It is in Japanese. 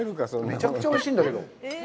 めちゃくちゃおいしいんだけど。